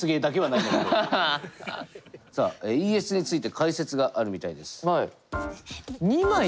さあＥＳについて解説があるみたいです。